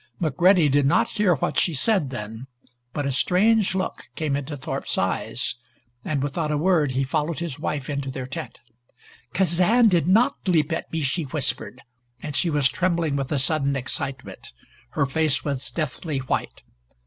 McCready did not hear what she said then, but a strange look came into Thorpe's eyes, and without a word he followed his wife into their tent. "Kazan did not leap at me," she whispered, and she was trembling with a sudden excitement. Her face was deathly white.